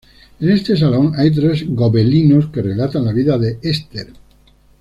En este salón hay tres Gobelinos que relatan la vida de Ester.